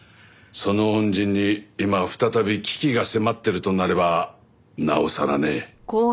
その恩人に今再び危機が迫ってるとなればなおさらね。